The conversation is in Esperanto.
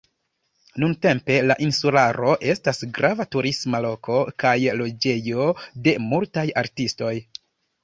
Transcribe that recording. Nuntempe la insularo estas grava turisma loko kaj loĝejo de multaj artistoj.